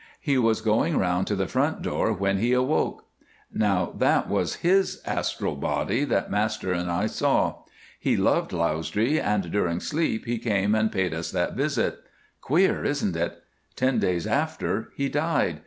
He was going round to the front door when he awoke. Now that was his astral body that Master and I saw. He loved Lausdree, and during sleep he came and paid us that visit. Queer, isn't it? Ten days after, he died.